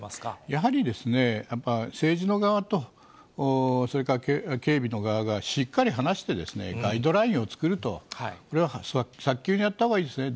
やはり政治の側と、それから警備の側がしっかり話して、ガイドラインを作ると、それは早急にやったほうがいいですね。